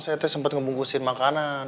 saya sempat ngebungkusin makanan